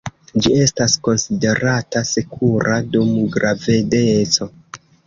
Ĝi estas konsiderata sekura dum gravedeco.